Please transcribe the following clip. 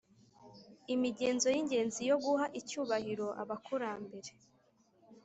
imigenzo y’ingenzi yo guha icyubahiro abakurambere